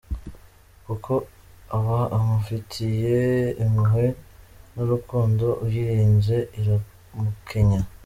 Kuko aba amufitiye impuhwe n’urukundo! Uyirenze iramukenya!